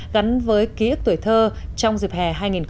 gắn với ký ức tuổi thơ trong dịp hè hai nghìn một mươi tám